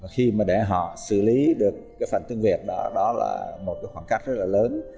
khi mà để họ xử lý được cái phần tương việt đó đó là một khoảng cách rất là lớn